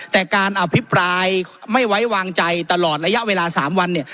แต่การอภิปรายไม่ไว้วางใจตลอดระยะเวลา๓วันเนี่ย